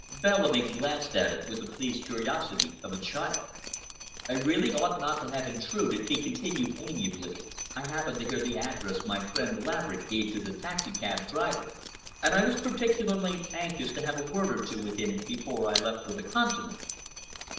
Bellamy glanced at it with the pleased curiosity of a child. "I really ought not to have intruded," he continued amiably. "I happened to hear the address my friend Laverick gave to the taxicab driver, and I was particularly anxious to have a word or two with him before I left for the Continent."